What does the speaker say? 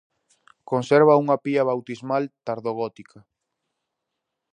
Conserva unha pía bautismal tardogótica.